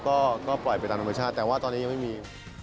ก็ปล่อยไปตามธรรมชาติแต่ว่าตอนนี้ยังไม่มี